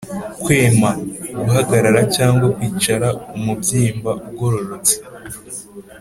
kwema: guhagarara cyangwa kwicara umubyimba ugororotse